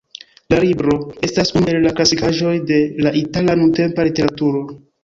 La libro estas unu el la klasikaĵoj de la itala nuntempa literaturo.